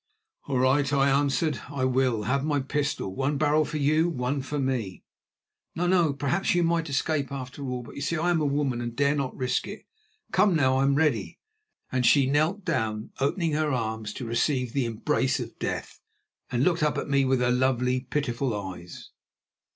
"All right," I answered, "I will. I have my pistol. One barrel for you and one for me." "No, no! Perhaps you might escape after all; but, you see, I am a woman, and dare not risk it. Come now, I am ready," and she knelt down, opening her arms to receive the embrace of death, and looked up at me with her lovely, pitiful eyes.